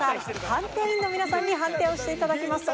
判定員の皆さんに判定をしていただきます。